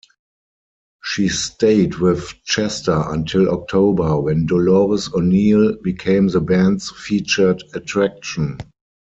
She stayed with Chester until October, when Dolores O'Neill became the band's featured attraction.